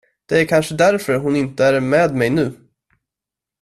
Det är kanske därför hon inte är med mig nu.